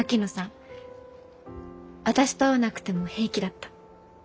私と会わなくても平気だった。